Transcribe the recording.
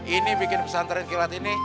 ini bikin pesantren kilat ini